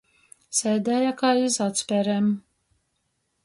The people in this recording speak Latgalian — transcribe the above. Sēdēja kai iz atsperem.